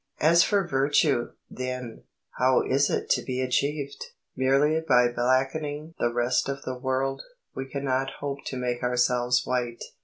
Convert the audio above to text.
As for virtue, then, how is it to be achieved? Merely by blackening the rest of the world, we cannot hope to make ourselves white.